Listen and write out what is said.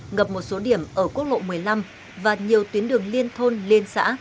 ngập một số điểm ở quốc lộ một mươi năm và nhiều tuyến đường liên thôn liên xã